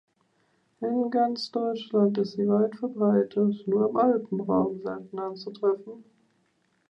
In ganz Deutschland ist sie weit verbreitet, nur im Alpenraum selten anzutreffen.